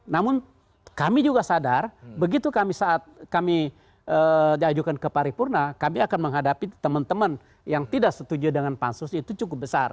namun kami juga sadar begitu kami saat kami diajukan ke paripurna kami akan menghadapi teman teman yang tidak setuju dengan pansus itu cukup besar